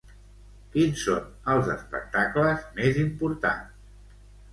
Quins són els espectacles més importants?